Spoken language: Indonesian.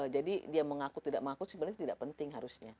jadi dia mengaku tidak mengaku sebenarnya itu tidak penting harusnya